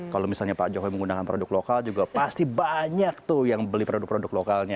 kalau misalnya pak jokowi menggunakan produk lokal juga pasti banyak tuh yang beli produk produk lokalnya